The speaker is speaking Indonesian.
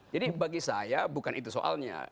jadi bagi saya bukan itu soalnya